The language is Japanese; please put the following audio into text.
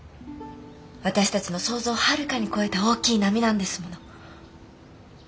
私たちの想像をはるかに超えた大きい波なんですもの。